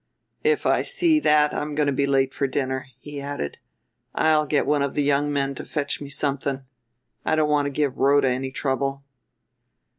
"If I see that I'm going to be late for dinner," he added, "I'll get one of the young men to fetch me something. I don't want to give Rhoda any trouble."